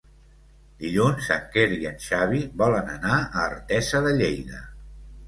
Dilluns en Quer i en Xavi volen anar a Artesa de Lleida.